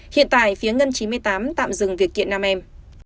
hiện tại phía ngân chín mươi tám tạm dừng việc kiện năm em